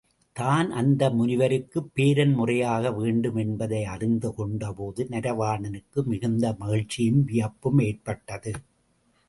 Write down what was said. தான் அந்த முனிவருக்குப் பேரன் முறையாக வேண்டும் என்பதை அறிந்து கொண்டபோது, நரவாணனுக்கு மிகுந்த மகிழ்ச்சியும் வியப்பும் ஏற்பட்டது.